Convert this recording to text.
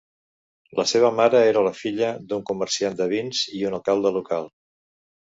La seva mare era la filla d'un comerciant de vins i un alcalde local.